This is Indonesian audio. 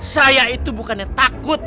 saya itu bukan yang takut